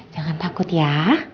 jangan takut ya